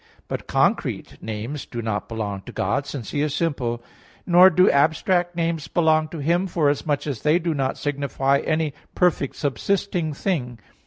But concrete names do not belong to God, since He is simple, nor do abstract names belong to Him, forasmuch as they do not signify any perfect subsisting thing.